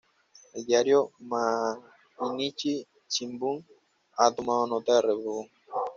El diario Mainichi Shimbun ha tomado nota de Reborn!